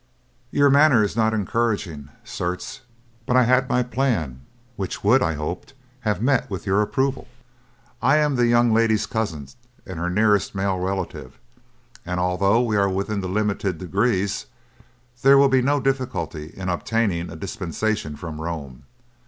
"Your manner is not encouraging, certes; but I had my plan, which would, I hoped, have met with your approval. I am the young lady's cousin, and her nearest male relative; and although we are within the limited degrees, there will be no difficulty in obtaining a dispensation from Rome.